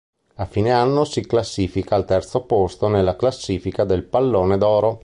A fine anno si classifica al terzo posto nella classifica del Pallone d'oro.